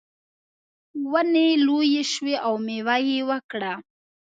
ونې لویې شوې او میوه یې ورکړه.